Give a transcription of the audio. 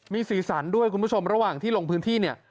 มีสีสันด้วยคุณผู้ชมระหว่างที่ลงพื้นที่เนี่ย